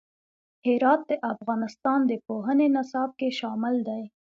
هرات د افغانستان د پوهنې نصاب کې شامل دی.